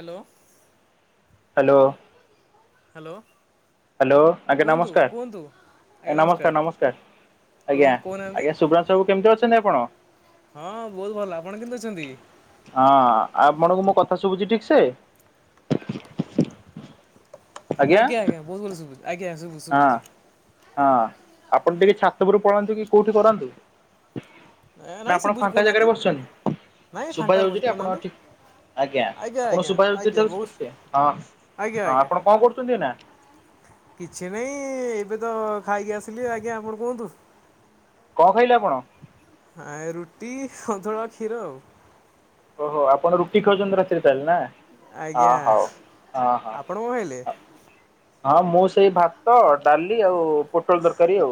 Hello. Hello. Hello hello ଆଜ୍ଞା କୁହନ୍ତୁ କୁହନ୍ତୁ ନମସ୍କାର। ନମସ୍କାର ନମସ୍କାର। ଆଜ୍ଞା, କୁହନ୍ତୁ କହୁନାହାନ୍ତି ଆଜ୍ଞା ସୁଭ୍ରାଂଶୁ ବାବୁ କେମିତି ଅଛନ୍ତି ଆପଣ? ହଁ ବହୁତ ଭଲ। ଆପଣ କେମତି ଅଛନ୍ତି? ହଁ, ଆପଣଙ୍କୁ ମୋ କଥା ଶୁଭୁଛି ଠିକ୍ ସେ? ଆଜ୍ଞା ଆଜ୍ଞା। ବୋହୁତ୍ ଜୋରେ ଶୁଭୁଛି। ଆଜ୍ଞା ଶୁଭୁଛି, ହଁ ଶୁଭୁଛି। ହଁ ଆପଣ ଟିକେ ଛାତ ଉପରୁକୁ ପଳାନ୍ତୁ କି କୋଉଠି କରନ୍ତୁ। ନା ନାଇଁ ଆପଣ ଶୁଭୁଛି ଫାଙ୍କା କହୁନାହାନ୍ତି ଜାଗାରେ ବସିଛନ୍ତି? ନାଇଁ ସୁଭା ଫାଙ୍କାରେ ଯାଉଛି ବଇଚି ଟି ଆପ କହୁନାହାନ୍ତି ଆଜ୍ଞା। ଆଜ୍ଞା ଆପଣ ଆଜ୍ଞା ସୁଭା ଯାଉଛି ଆଜ୍ଞା ତ ବହୁତ ଠିକ୍ ସେ? ହଁ ଆଜ୍ଞା ଆଜ୍ଞା ଆପଣ କଣ କ ଶୁଣଧିନା। କିଛି ନାହିଁ ଏବେ ତ ଖାଇକି ଆସିଲି। ଆଜ୍ଞା ଆପଣ କୁହନ୍ତୁ? କଣ ଖାଇଲେ ଆପଣ? ଆ' ରୁଟି ସନ୍ତୁଳା କ୍ଷୀର। ଓହୋ, ଆପଣ ରୁଟି ଖାଉଛନ୍ତି ରାତିରେ ତାହେଲେ ନା? ଆଜ୍ଞା ହଁ ହଉ। ହଁ ହଁ। ଆପଣ କଣ ଖାଇଲେ? ହଁ ମୁଁ ସେଇ ଭାତ ଡାଲି ଆଉ ପୋଟଳ ଦରକାରୀ ଆଉ।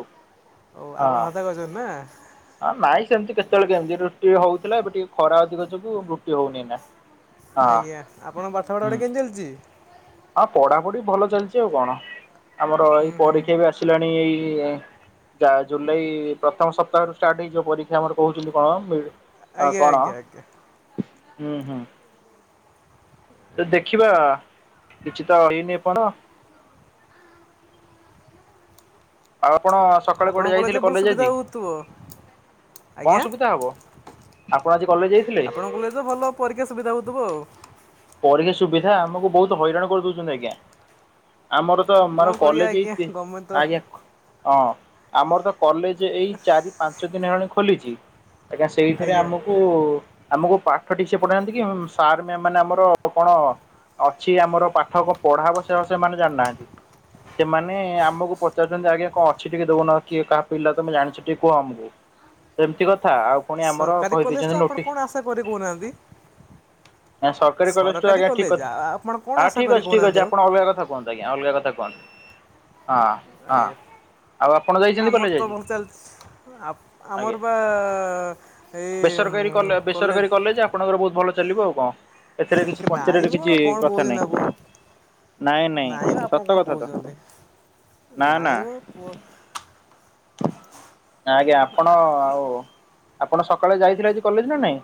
ଓ ଆପଣ ହଁ, ଭାତ ଖାଉଛନ୍ତି ନା ଆ ନାଇଁ। ସେମିତି କେତେବେଳେ କେମିତି ରୁଟି ହଉଥିଲା। ଏବେ ଟିକେ ଖରା ଅଧିକ ଯୋଗୁ ରୁଟି ହଉନି ଏନା। ଆଜ୍ଞା। ଆପଣଙ୍କ ପାଠ ପଢା ଗୁଡାକ କେମିତି ଚାଲିଛି? ହଁ ପଢାପଢି ଭଲ ଚାଲିଛି ଆଉ କଣ। ଆମର ଉଁ ଏଇ ହୁଁ ପରୀକ୍ଷା ବି ଆସିଲାଣି ଏଇ। କି ଏ ଯା-ଜୁଲାଇ ପ୍ରଥମ ସପ୍ତାହରୁ ଷ୍ଟାର୍ଟ ହେଇଯ ପରୀକ୍ଷା ଆମର କହୁଛନ୍ତି କଣ? ଆ ଆଜ୍ଞା, କଣ ଆଜ୍ଞା, ଆଜ୍ଞା। ହୁଁ ହୁଁ। ସେ ଦେଖିବା କିଛି ତ ହେଇନି ଏ ପର୍ଯ୍ୟନ୍ତ। ଆଉ ଆପଣ ସକାଳୁ କୁଆଡେ ଆପଣଙ୍କ କଲେଜରେ ଯାଇଥିଲେ? ଭଲ କଲେଜ ସୁବିଧା ଆଜି? ହେଉଥିବ କଣ ଆଜ୍ଞା ସୁବିଧା ହବ? ଆପଣ ଆଜି କଲେଜ ଯାଇଥିଲେ? ଆପଣଙ୍କ କଲେଜ ରେ ତ ଭଲ ପରୀକ୍ଷା ସୁବିଧା ହଉଥିବ ଆଉ। ପରୀକ୍ଷା ସୁବିଧା, ଆମକୁ ବହୁତ ହଇରାଣ କରିଦଉଛନ୍ତି ଆଜ୍ଞା। ଆମର ତ ମୋର, କ'ଣ କରିବା କଲେଜ ଆଜ୍ଞା ହେଇଛି। ଗଭର୍ଣ୍ଣମେଣ୍ଟ ତ ଆଜ୍ଞା। ହଁ ଆମର ତ କଲେଜ ଏଇ ଚାରି ପାଞ୍ଚ ଦିନ ହେଲାଣି ଖୋଲିଛି। ଏକା ସେଇଥିରେ ଆଜ୍ଞା ଆମକୁ, ଆମକୁ ପାଠ ଠିକ୍ ସେ ପଢ଼ାନ୍ତି କି, ହଁ ସାର ମାମ ମାନେ ଆମ ତ-କଣ, ଅଛି ଆମର ପାଠ କଣ ପଢ଼ା ହବ ସେ-ସେମାନେ ଜାଣିନାହାନ୍ତି। ସେମାନେ ଆମକୁ ପଚାରୁଛନ୍ତି, ଆଜ୍ଞା କଣ ଅଛି ଟିକେ ଦଉନ, କି କାହା ପିଲା ତମେ ଜାଣିଛ ଟିକେ କୁହ ଆମକୁ। ଏମିତି କଥା ଆଉ। ପୁଣି ଆମର ସରକାରୀ କଲେଜ ତ କହିଦେଇଛନ୍ତି ଆପଣ ନୋଟି କ'ଣ ଆଶା କରି କହୁନାହାନ୍ତି ବେକାରୀ କଲେଜ ଠୁ ସରକାରୀ ଆଜ୍ଞ ଠିକ୍ କଲେଜ କଥା। ଆପଣ କ'ଣ ହଁ ଆଶା ଠିକ୍ କରି ଅଛି, ଠିକ୍ ଅଛି କହୁନାହାନ୍ତି ଆଉ ଆପଣ ଅଲଗା କଥା କୁହନ୍ତୁ ଆଜ୍ଞା। ଅଲଗା କଥା। ହଁ, ହଁ। ଆଜ୍ଞା ଆଉ ଆପଣ ଯାଇଛନ୍ତି କଲେଜ ଆମର ତ ଆଜି? ଭଲ ଚାଲିଛି। ଆଜ୍ଞା। ଆମର ବା ଏ ଇନକ୍ଵାରି କଲେ ବେସରକାରୀ କଲେଜ, ଆପଣଙ୍କର ବହୁତ ଭଲ ଚାଲିବ ଆଉ କଣ। ଏଥିରେ କିଛି ପ୍ରଚାର ରୁ ନାଇଁ ମ କିଛି କ'ଣ କଥା ନାହିଁ। କହୁଛନ୍ତି ଆପଣ ନାଇଁ ନାଇଁ। ସତ କଥା ତ। ନା ନା ନାଇ ମ କୁହ? ଆଜ୍ଞା। ଆପଣ ଆଉ, ଆପଣ ସକାଳେ ଯାଇଥିଲେ ଆଜି କଲେଜ ନା ନାଇଁ?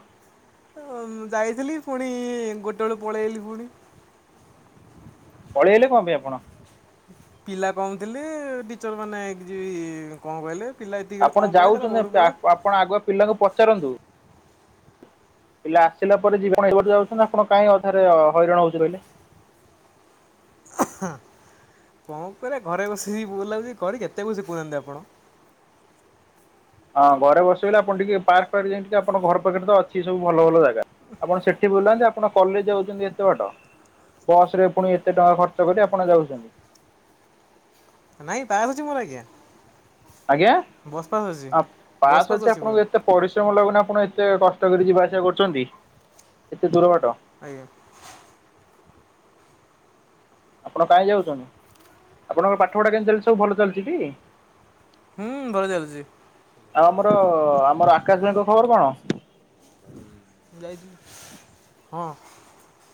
ତ ମୁଁ ଯାଇଥିଲି ଫୁଣି ଗୋଟେ ବେଳେ ପଳେଇ ଆସିଲି ଫୁଣି। ପଳେଇଆଇଲେ କଣ ପାଇଁ ଆପଣ? ପିଲା କମ୍ ଥିଲେ। ଟିଚର ମାନେ ଏଗ ଯିବି କଣ କହିଲେ। ପିଲା ଏତିକି କହିଲେ କ'ଣ ଆପଣ ପଳେଇବା ଚାଲ ଘରକୁ ଯାଉଛନ୍ତି। ପଳେଇବା ଆ-ଆପଣ ଆଗୁଆ ପିଲାଙ୍କୁ ପଚାରନ୍ତୁ। ପିଲା ଆସିଲା ପରେ ଯିବେ, ଆପଣ ଏତେ ବାଟ ଯାଉଛନ୍ତି। ଆପଣ କଇଁ ଅଧାରେ କାଇଁ ହଇରାଣ ହଉଛେ କହିଲେ? ହଁ। [unintelligible] କଣ କରିବା, ଘରେ ବସିକି ବୋର ଲାଗୁଛି। ଘରେ କେତେ ବସିବି କହୁନାହାନ୍ତି ଆପଣ? ହଁ ଘରେ ବସିବିନା ଆପଣ ଟିକେ ପାର୍କ ଫାର୍କ ଯାଇ ଟିକେ ଆପଣ ଘର ପାଖରେ ତ ଅଛି ସବୁ ଭଲ ଭଲ ଜାଗା ଆପଣ ସେଠି ବୁଲାନ୍ତି ଆପଣ କଲେଜ ଯାଉଚନ୍ତି ଏତେ ବାଟ। ବସ ରେ ପୁଣି ଏତେ ଟଙ୍କା ଖର୍ଚ୍ଚ କରି ଆପଣ ଯାଉଚନ୍ତି। ନାଇଁ ପାହାଚ ଅଛି ମୋର ଆଜ୍ଞା। ଆଜ୍ଞା ବସ୍ ପାସ୍ ଅଛି ପାସ୍ ଅଛି ଆପଣଙ୍କୁ ଏତେ ପରିଶ୍ରମ ଲାଗୁନି ଆପଣ ଏତେ କଷ୍ଟ କରି ଯିବ କରୁଛନ୍ତି ଏତେ ଦୂର ବାଟ। ଆଜ୍ଞା। ଆପଣ କାହିଁ ଯାଉଛନ୍ତି ଆପଣଙ୍କ ପାଠପଢା କେମିତି ଚାଲିଛି ସବୁ ଭଲ ଚାଲିଛି ଟି? ହୁଁ ଭଲ ଚାଲିଚି। ଆଉ ଆମର ଆମର ଆକାଶ ଭାଇଙ୍କ ଖବର କଣ? ଯାଇଥିଲି ହଁ।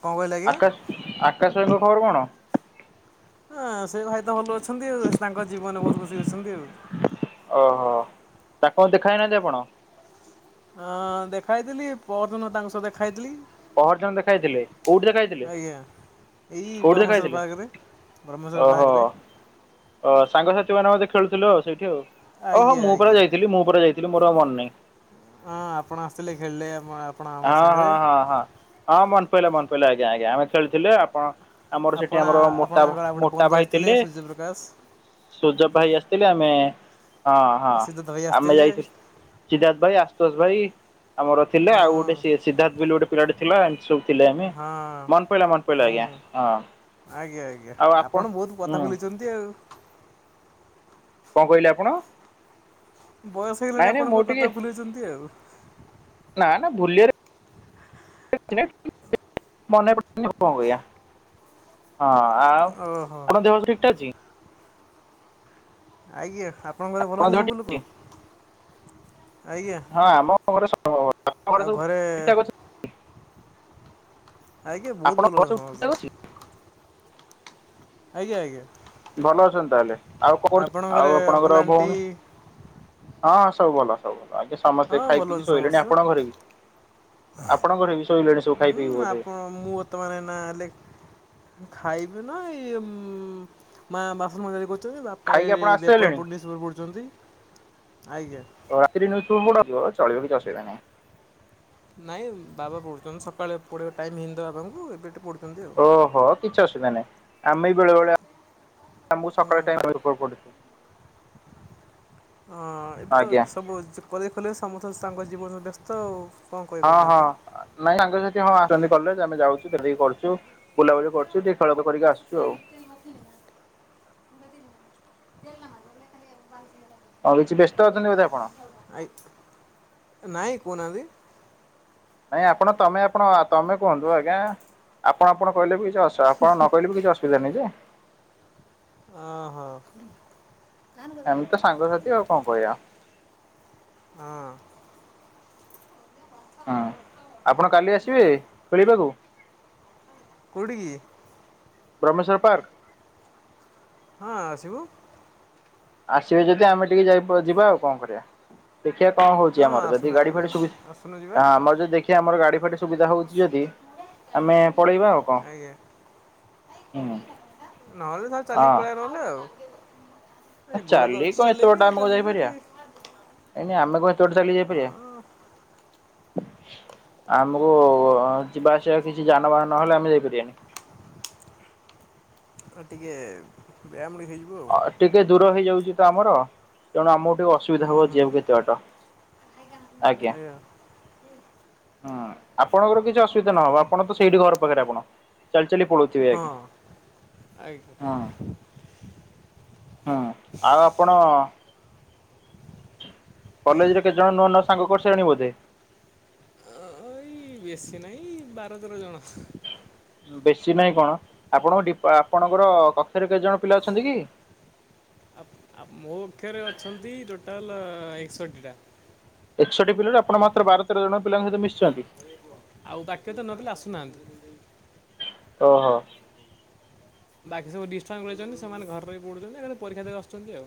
କ'ଣ କହିଲେ ଆଜ୍ଞା ଆକାଶ ଆକାଶ ଭାଇଙ୍କ ଖବର କଣ? ହଁ ସେ ଭାଇ ତ ଭଲ ଅଛନ୍ତି ଆଉ ତାଙ୍କ ଜୀବନରେ ବହୁତ ଖୁସି ଅଛନ୍ତି ଆଉ। ଓହୋ ତା କଣ ଦେଖାଇନାହାନ୍ତି ଆପଣ? ହଁ ଦେଖାଇଥିଲି ପହରଦିନ ତାଙ୍କ ସହ ଦେଖାହେଇଥିଲି। ପହରଦିନ ଦେଖା ହେଇଥିଲେ କୋଉଠି ଦେଖା ହେଇଥିଲେ? ଆଜ୍ଞା ଏଇ କୋଉଠି ଦେଖା ବ୍ରହ୍ମେଶ୍ୱର ହେଇଥିଲେ ପାର୍କ ରେ ବ୍ରହ୍ମେଶ୍ଵର ପାର୍କ ରେ। ଅ ସାଙ୍ଗ ଆପଣ ବୋଧେ ଖେଳୁଥିଲେ ସେଇଠି ଆଉ ଓହୋ ଆଜ୍ଞା ମୁଁ ପାରା ଆଜ୍ଞା ଯାଇଥିଲି ମୁଁ ପାରା ଯାଇଥିଲି ମୋର ଆଉ ମନ ନାହିଁ। ହଁ ଆପଣ ଆସିଥିଲେ ଖେଳିଲେ ଆ ହଁ ହଁ ହଁ ହଁ ହଁ ମନ ପଇଲା ମନ ପଇଲା ଆଜ୍ଞା ଆଜ୍ଞା ଆମେ ଖେଳିଥିଲୁ ଆପଣ ଆମର ସେଠି ଆପଣ ଆମର ମୋଟା ଆପଣଙ୍କର ଆଉ ଗୋଟେ ମୋଟା ବନ୍ଧୁ ଭାଇ ଆସିଥିଲେ ଥିଲେ ସୂର୍ଯ୍ୟପ୍ରକାଶ ସୁଜଭ ଭାଇ ଆସିଥିଲେ। ଆମେ ହଁ ହଁ ସିଏ ତ ଧରି ଆମେ ଆସିଥିଲେ ଯାଇଥିଲୁ ସିଦ୍ଧାର୍ଥ ଭାଇ ଆ ସନ୍ତୋଷ ଭାଇ ଆମର ଥିଲେ ହଁ ଆଉ ଗୋଟେ ସିଦ୍ଧାର୍ଥ ବୋଲି ଗୋଟେ ପିଲାଟେ ଥିଲା ଶିଖୁଥିଲେ ଆମେ ହଁ ମନ ପଇଲା ମନ ପଇଲା ହୁଁ ଆଜ୍ଞା ହଁ। ଆଜ୍ଞା ଆଜ୍ଞା ଆଉ ଆପଣ ବହୁତ ହୁଁ କଥା ବୁଲିଚନ୍ତି ଆଉ। କଣ କହିଲେ ଆପଣ? ବୟସ ହେଇଗଲାଣି ନାଇଁ ନାଇଁ ମୁଁ ଆପଣଙ୍କ ଟିକେ କଥା ଭୁଲେଇଛନ୍ତି ଆଉ। ଭୁଲିଓରେ [unintelligible] ହଁ। ଆ [unintelligible] ଓହୋ ଅଛି ଆଜ୍ଞା ଆପଣଙ୍କ ଘରେ ଭଲ ଆପଣ ଅଛନ୍ତି ଦେହ ସବୁ ଠିକ ଅଛି ଲୋକ। ଆଜ୍ଞା ହଁ ଆମ ଘରେ ଘରେ ସବୁ ଠିକଠାକ ଅଛି? ଆଜ୍ଞା ବହୁତ ଆପଣଙ୍କ ଭଲ ଘରେ ସବୁ ଅଛନ୍ତି ଠିକ୍ ଠାକ୍ ଅଛି? ସମସ୍ତେ। ଆଜ୍ଞା ଆଜ୍ଞା। ଭଲ ଅଛନ୍ତି ତାହେଲେ ଆଉ କଣ କରୁଛ ଆପଣଙ୍କ ଘରେ ଆଉ ଅଙ୍କଲ୍ ଆପଣଙ୍କର ଆଣ୍ଟି ଭଉଣୀ ହଁ ସବୁ ଭଲ। ସବୁ ଭଲ ଆଜ୍ଞା ସମସ୍ତେ ହଁ ଖାଇ ଭଲ ପିଇକି ଅଛନ୍ତି ଶୋଇଲେଣି ସମସ୍ତେ ଆପଣଙ୍କ ଘରେ ବି? ଆପଣଙ୍କ ଘରେ ବି ଶୋଇଲେଣି ସବୁ ଖାଇ ପିଇକି ହୁଁ ବୋଧେ ଆପଣ ମୁଁ ବର୍ତ୍ତମାନ ଏଇନା ଲେ ଖାଇବେ ନା ଏଇ ଉ ମା ବାସନ ମଜା ମଜି କରୁ ବାପା ଖାଇକି ଏଇଠି ଆପଣ ବେପାର ଆସିସାରିଲେଣି ପୁଡ଼ୁନି ପଡୁଛନ୍ତି ଆଜ୍ଞା। ରାତିି [unintelligible] ଆସ ଚଳିବ କିଛି ଅସୁବିଧା ନାହିଁ। ନାଇଁ ବାବା ପଢୁଛନ୍ତି ସକାଳେ ପଢେଇ ଟାଇମ ହେଇ ବାବାଙ୍କୁ ଏବେ ପଢୁ ଓହୋ କିଛି ଅସୁବିଧା ନାହିଁ ଆମେ ବି ବେଳେ ବେଳେ ଏହା ମୁଁ ହୁଁ ସକାଳ ଟାଇମ ଉପରେ ପଢିଛୁ। ହଁ ଏବେ ତ ସବୁ କଲେଜ ଫଲେଜ ସମସ୍ତେ ତାଙ୍କ ଜୀବନ ବ୍ୟସ୍ତ ଆଉ। କଣ କହିବେ ହଁ ହଁ କହୁନାହାନ୍ତି। ନାଇଁ ସାଙ୍ଗସାଥି ହଁ ଛନ୍ତି କଲେଜ ଆମେ ଯାଉଚୁ ଦେଖା ଦେଖି କରୁଚୁ ବୁଲାବୁଲି କରୁଛୁ ଟିକେ ଖେଳ କରିକି ଆସୁଛୁ ଆଉ। [unintelligible] ହଉ କିଛି ବ୍ୟସ୍ତ ଅଛନ୍ତି ବୋଧେ ଆପଣ? ଆ ନାଇଁ କହୁନାହାନ୍ତି। ନାଇଁ ଆପଣ ତମେ ଆପଣ ତମେ କୁହନ୍ତୁ ଆଜ୍ଞା ଆପଣ ଆପଣ କହିଲେ ବି ଜସ ଆପଣ ନ କହିଲେ ବି କିଛି ଅସୁବିଧା ନାହିଁ ଯେ ଓ ହୋ। ଏମିତି ତ ସାଙ୍ଗସାଥି ଆଉ କଣ କରିବା। ହଁ। ହଁ ଆପଣ କାଲି ଆସିବେ ଖେଳିବାକୁ? କଉଠିକି? ବ୍ରହ୍ମେସ୍ୱର୍ ପାର୍କ? ହଁ ଆସିବୁ। ଆସିବେ ଯଦି ଆମେ ଟିକେ ଯାଇ ପ ଯିବା ଆଉ କଣ କରିବା। ଦେଖିବା କଣ ହଉଛି ହଁ ଆମର। ଯଦି ଗାଡି ଆସୁନାହାନ୍ତି ଫାଡି ସୁବି ଆସୁନୁ ଯିବା ଆମର ଯଦି ଦେଖିବା ଆମର ଗାଡି ଫାଡି ସୁବିଧା ହଉଛି ଯଦି ଆମେ ପଳେଇବା ଆଉ କଣ। ଆଜ୍ଞା। ହୁଁ ନହେଲେ ଧର ଚାଲି ହଁ ପଳେଇବା ନହେଲେ ଆଉ। ଏ ଗୋଡ଼ ଚାଲି ଅଛି କଣ ଏତେ ଚଲେଇବି ଚାଲିଯିବା ଟିକେ। ନାଇ ଆମେ କଣ ଏତେ ବାଟ ଚାଲିକି ହଁ ଯାଇପାରିବା। ଆମକୁ ଯିବା ଆସିବା କିଛି ଯାନବାହାନ ନହେଲେ ଆମେ ଯାଇ ପାରିବାନି। [inaudible] ଆଉ ଟିକେ ବେ ଆମ୍ ବି ଅ ଟିକେ ଦୂର ହେଇଯାଉଛି ତ ଆମର ତେଣୁ ଆମକୁ ଅସୁବିଧା ହୁଁ ହବ ଯିବାକୁ ହୁଁ ଏତେ ବାଟ ଆଜ୍ଞା। ହୁଁ ଆପଣଙ୍କର କିଛି ଅସୁବିଧା ନହବ ଆପଣ ତ ସେଇଠି ଘର ପାଖରେ ଆପଣ ଚାଲି ଚାଲି ପଳଉଥିବେ ହଁ ଆଜ୍ଞା ହୁଁ ଆଜ୍ଞା। ହୁଁ ଆଉ ଆପଣ କଲେଜରେ କେତେ ଜଣ ନଆ ନୂଆ ସାଙ୍ଗ କରିସାରାଣି ବୋଧେ? ଏଇ ବେଶୀ ନାହିଁ ବାର ତେର ଜଣ। ବେଶୀ ନାହିଁ କଣ ଆପଣଙ୍କ ଡି ଆପଣଙ୍କର କକ୍ଷରେ କେତେ ଜଣ ପିଲା ଅଛନ୍ତି କି? ହ ଆମ୍ ମୋ କକ୍ଷରେ ଅଛନ୍ତି ଟୋଟାଲ ଏକଷଠି ଟା। ଏକଷଠି ପିଲାରୁ ଆପଣ ମାତ୍ର ବାର ତେର ଜଣ ପିଲାଙ୍କ ସହିତ ମିସିଛନ୍ତି? ଆଉ ବାକ୍ୟ ତ ନହଲ ଆସୁନାହାନ୍ତି ଓହୋ। ବାକି ସବୁ ଡିଷ୍ଟା କରିଛନ୍ତି ସେମାନେ ଘରେରେ ବି ପଡୁଛନ୍ତି ପରୀକ୍ଷା ଦେବାକୁ ଆସୁଛନ୍ତି ଆଉ।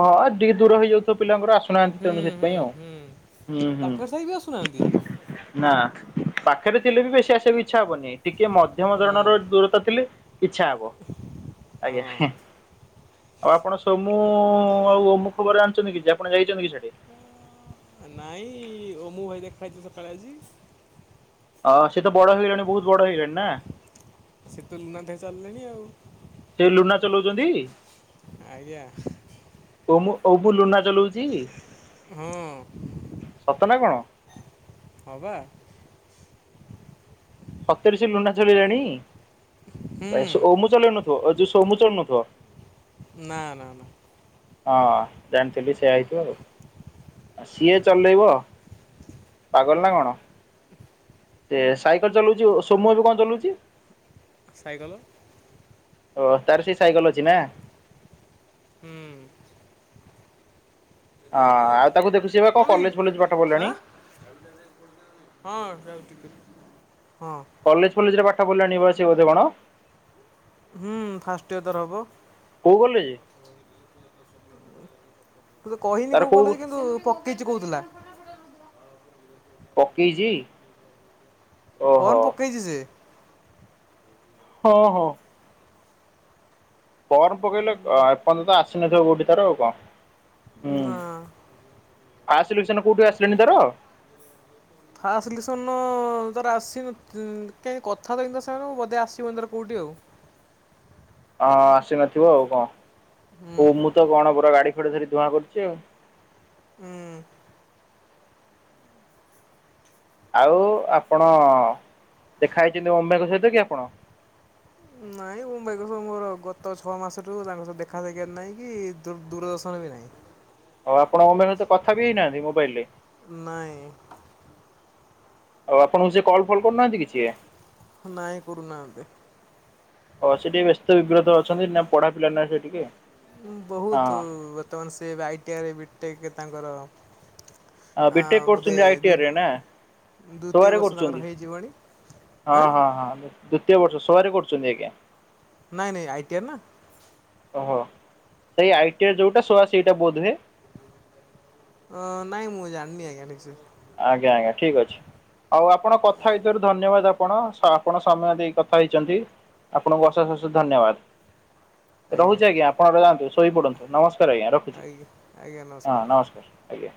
ହଁ ଟିକେ ଦୂର ହେଇଯାଉଥିବ ପିଲାଙ୍କର ଆସ ଶିଖି ନାହାନ୍ତି ହୁଁ ତେଣୁ ହୁଁ ସେଥିପାଇଁ ହୁଁ ଆଉ ହୁଁ ପାଖରେ ଥାଇ ବି ଆସୁନାହାନ୍ତି ହୁ ନା ପାଖରେ ଥିଲେ ବି ବେଶୀ ଆସିବାକୁ ଇଚ୍ଛା ହବନି ଟିକେ କିଏ ମଧ୍ୟମ ହୁଁ ଧରଣର ଦୂରତା ଥିଲେ ଇଚ୍ଛା ହବ ହଁ। ଆଜ୍ଞା। ଆଉ ଆପଣ ସୋମୁ ଆଉ ଓମୁ ଖବର ଯାଣିଛନ୍ତି କିଛି ଆପଣ ଯାଇଛନ୍ତି କି ସିଆଡେ ନାଇଁ ଓମୁ ଭାଇ ଦେଖାଇଛି ସକାଳେ ଆଜି ଅ ସେ ତ ବଡ ହେଇଗଲେଣି ବହୁତ ବଡ ହେଇଗଲେଣି ନା? ସେ ତ ଲୁନାଥାଇ ଚାଲିଲେଣି ଆଉ। ଛନ୍ତି? ଆଜ୍ଞା। ଓମୁ ଓ ବୁଲୁନା ଚଲଉଛି? ହଁ ସତ ନା କଣ ହବା ସତରେ ସେ ଲୁନା ଚଲେଇଲାଣି? ଭାଇ ହୁଁ ସ ଓମୁୁ ଚଲଉନଥିବ ଅ ଯୋଉ ସୋମୁ ଚଲୋଉନଥିବ? ନା ନା ନା ହଁ ଜାଣିଛି ଏବେ ସେୟା ହେଇଥିବ ଆଉ। ଆ ସିଏ ଚଲେଇବ ପାଗଳ ନା କଣ? ସେ ସାଇକେଲ ଚଲଉଛି ସୋ ସୋମୁ ଏବେ କଣ ଚଲଉଛି? ସାଇକଲ। ଓ ତାର ସେଇ ସାଇକଲ ଅଛି ନା? ହୁଁ। ଆ ଆଉ ତାକୁ ଦେଖୁଛି ବା କଣ କଲେଜ ଫଲେଜ ପାଠ ପଢ଼ିଲାଣି। ଆଁ ହଁ ଯାଉଛି ହଁ କଲେଜ ଫଲେଜରେ ପାଠ ପଢ଼ିଲାଣିିବା ସେ ବୋଧେ କଣ? ହୁଁ ଫାଷ୍ଟି ଇୟର ତାର ହବ। କୋଉ କଲେଜେ? ତେ କହିନି କୋଉ କଲେଜ୍ କିନ୍ତୁ ପକେଇଚି କହୁଥିଲା। ପକେଇଛି? ଓହୋ ଫୋନ ପକେଇଛି ସେ। ହଁ ହଁ। ପର୍ମ ପକେଇଲେ ଏପର୍ଯ୍ୟନ୍ତ ଆସିନଥିବ କୋଉଠୁ ତାର ଆଉ କଣ ହୁଁ। ନା ଫାର୍ଷ୍ଟ ସିଲେକ୍ସନ କୋଉଠି ଆସିଲେଣିି ତାର? ଫାଷ୍ଟ ସିଲେକ୍ସନ ତା ର ଆସିନ ତ କାଇଁ କଥା ହେଇନି ତା ସାଙ୍ଗରେ ବୋଧେ ଆସିବନି ତାର କାଉଟି ଆଉ। ହ। ହଁ ଆସିନଥିବ ଆଉ ଙ୍କ? ହୁଁ ଓ ମୁଁ ତ କଣ ପୂରା ଗାଡି ଫାଡ଼ି ଧରି ଧୂଆଁ କରୁଚି ଆଉ। ହୁଁ। ଆଉ ଆପଣ ଦେଖା ହେଇଚନ୍ତି [unintelligible] ଙ୍କ ସହିତ କି ଆପଣ? ନାଇ। ଏ ମୁଁ ମେଘ ଫେଗ ମୋର ଗତ ଛଅ ମାସଠୁ ତାଙ୍କ ସହ ଦେଖା ସାକ୍ଷାତ ନାହିଁ କି ଦୂ ଦୂରଦର୍ଶନ ବି ନାହିଁ। ହଉ ଆପଣଙ୍କ ମାନେ ତ କଥା ବି ହେଇନାହାନ୍ତି ମୋବାଇଲିରେ। ନାହିଁ। ଆଉ ଆପଣଙ୍କୁ ସେ କଲ୍ ଫଲ କରୁନାହାନ୍ତିକି କିଛି ହେ ନାଇଁ କରୁନାହାନ୍ତି। ହ ସେଠିକି ବ୍ୟସ୍ତ ବିବ୍ରତ ଅଛନ୍ତି ନା ପଢା ପିଲା ନା ସେ ଟିକେ। ବହୁତ ହଁ ବର୍ତ୍ତମାନ ସିଏ ଏବେ ଆଇଟିଆଇରେ ବିଟେକ୍ ତାଙ୍କର ହଁ ବିଟେକ ବୋଧେ କରୁଚନ୍ତିି ଆଇଟିଆଇରେ ନା। ସୋଆ ଦ୍ୱିତୀୟ ରେ ବର୍ଷ ତାଙ୍କର କରୁଚନ୍ତି ହେଇଯିବଣି ହଁ ଆଁ ହଁ ହଁ। ଦ୍ଵିତୀୟ ବର୍ଷ ସୋଆ ରେ କରୁଚନ୍ତି ଆଜ୍ଞା। ନାଇଁ ନାଇଁ ଆଇଟିଆ ନା। ଓହୋ ସେଇ ଆଇଟିଆଇ ଯୋଉଟା ସୋଆ ସେଇଟା ବୋଧ ହୁଏ। ଅ ନାଇ ମୁଁ ଜାଣନି ଆଜ୍ଞା ଠିକ୍ ସେ। ଆଜ୍ଞା ଆଜ୍ଞା ଠିକ ଅଛି। ଆଉ ଆପଣ କଥା ହେଇଥିବାରୁ ଧନ୍ୟବାଦ ଆପଣ ସ ଆପଣ ସମୟ ଦେଇ କଥା ହେଇଚନ୍ତି। ଆପଣଙ୍କୁ ଅଶେଷ ଅଶେଷ ଧନ୍ୟବାଦ ରହୁଚି ଆଜ୍ଞା ଆପଣଙ୍କ ଯାଆନ୍ତୁ ଶୋଇ ପଡନ୍ତୁ ନମସ ତର ଆଜ୍ଞା ରଖୁଚି ହଁ ନମସ୍କାର ଆଜ୍ଞା।